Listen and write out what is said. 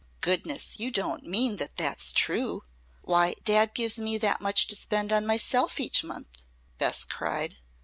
"Goodness! You don't mean that that's true? Why, dad gives me that much to spend on myself each month," Bess cried.